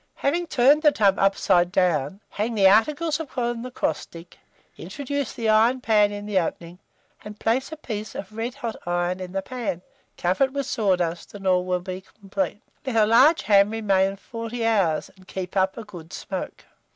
Having turned the tub upside down, hang the articles upon the cross stick, introduce the iron pan in the opening, and place a piece of red hot iron in the pan, cover it with sawdust, and all will be complete. Let a large ham remain 40 hours, and keep up a good smoke.